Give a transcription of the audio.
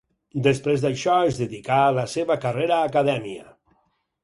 Després d'això es dedicà a la seva carrera acadèmia.